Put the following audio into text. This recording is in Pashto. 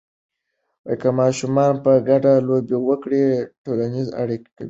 که ماشومان په ګډه لوبې وکړي، ټولنیزه اړیکه قوي کېږي.